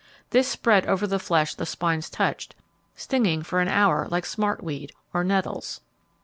This spread over the flesh the spines touched, stinging for an hour like smartweed, or nettles.